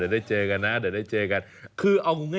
เดี๋ยวได้เจอกันนะ